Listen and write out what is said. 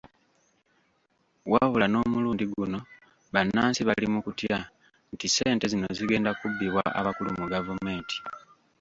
Wabula n'omulundi guno bannansi bali mukutya nti ssente zino zigenda kubbibwa abakulu mu gavumenti.